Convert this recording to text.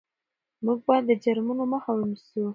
موږ باید د جرمونو مخه ونیسو.